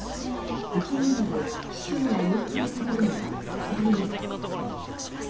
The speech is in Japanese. ウクライナで市長が誘拐されるのは２人目です。